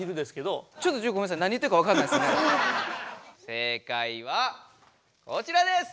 正解はこちらです！